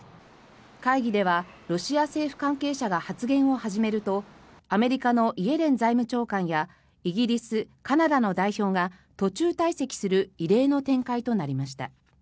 会議ではロシア政府関係者が発言を始めるとアメリカのイエレン財務長官やイギリス、カナダの代表が途中退席する異例の展開となりました。